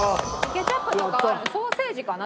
ケチャップとかソーセージかな？